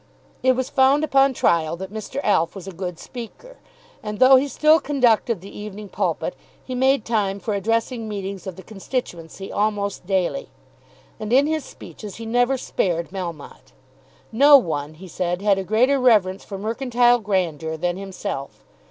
It was found upon trial that Mr. Alf was a good speaker. And though he still conducted the "Evening Pulpit," he made time for addressing meetings of the constituency almost daily. And in his speeches he never spared Melmotte. No one, he said, had a greater reverence for mercantile grandeur than himself.